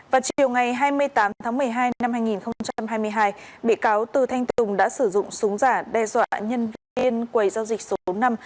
vào chiều ngày hai mươi tám tháng một mươi hai năm hai nghìn hai mươi hai bị cáo từ thanh tùng đã sử dụng súng giả đe dọa nhân viên quầy giao dịch số năm